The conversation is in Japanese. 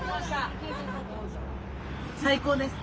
最高です！